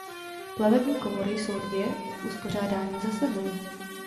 Plavební komory jsou dvě v uspořádání za sebou.